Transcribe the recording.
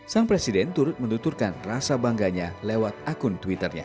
sang presiden turut menuturkan rasa bangganya lewat akun twitternya